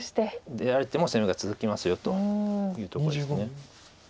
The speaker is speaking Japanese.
出られても攻めが続きますよというとこです。